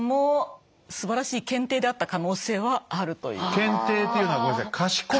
「賢帝」というのはごめんなさい「賢い」。